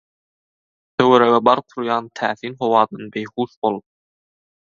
töwerege bark urýan täsin howadan beýhuş bol